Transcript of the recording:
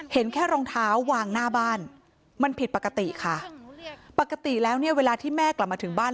เห็นแค่รองเท้าวางหน้าบ้านมันผิดปกติค่ะปกติแล้วเนี่ยเวลาที่แม่กลับมาถึงบ้าน